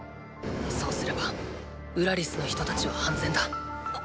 そうすればウラリスの人たちは安全だう！